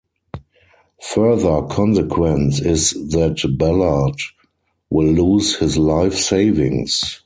Further consequence is that Ballard will lose his life savings.